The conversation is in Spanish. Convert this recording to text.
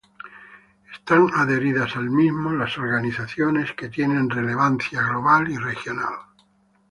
Están adheridas al mismo las organizaciones judías que tienen relevancia global y regional.